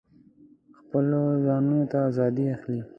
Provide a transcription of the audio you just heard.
خپلو ځانونو ته آزادي اخلي.